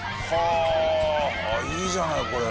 あっいいじゃないこれ。